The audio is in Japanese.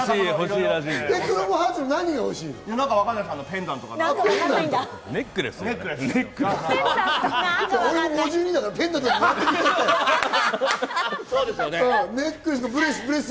クロムハーツの何が欲しいの？